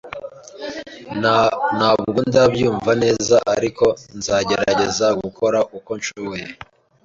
Ntabwo ndabyumva neza, ariko nzagerageza gukora uko nshoboye